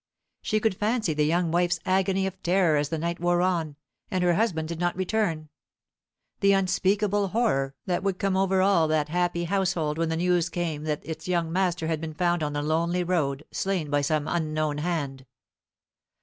She could fancy the young wife's agony of terror as the night wore on, and her husband did not return; the unspeakable horror that would come over all that happy household when the news came that its young master had been found on the lonely road slain by some unknown hand.